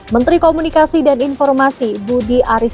menteri komunikasi dan informasi budi arisetyadi mengatakan